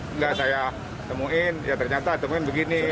enggak saya temuin ya ternyata temuin begini